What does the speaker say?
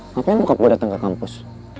ngapain bokap gue dateng ke kampus